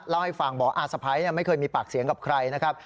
เล่าให้ฟังบอกอาสะพ้ายไม่เคยมีปากเสียงกับใครนะครับ